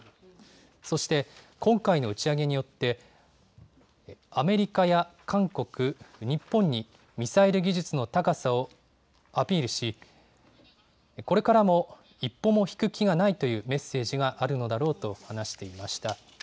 そして、今回の打ち上げによって、アメリカや韓国、日本にミサイル技術の高さをアピールし、これからも一歩も引く気がないというメッセージがあるのだろうと話していました。